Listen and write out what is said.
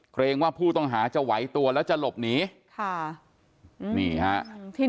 เพิ่มว่าผู้ต้องหาจะไหวตัวแล้วจะหลบหนี